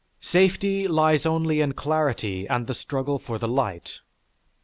Safety lies only in clarity and the struggle for the light.